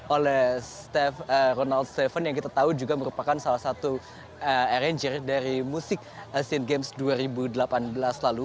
oleh ronald tujuh yang kita tahu juga merupakan salah satu arranger dari musik asian games dua ribu delapan belas lalu